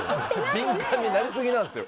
敏感になりすぎなんすよ